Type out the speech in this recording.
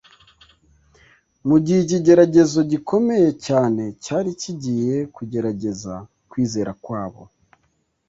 Mu gihe ikigeragezo gikomeye cyane cyari kigiye kugerageza kwizera kwabo.